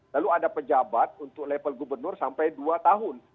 lalu ada pejabat untuk level gubernur sampai dua tahun